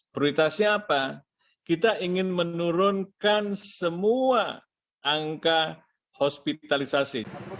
prioritasnya apa kita ingin menurunkan semua angka hospitalisasi